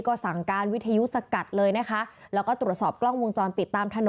ก็สั่งการวิทยุสกัดเลยนะคะ